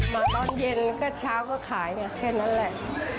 มาตอนเย็นก็เช้าก็ขายไงแค่นั้นแหละ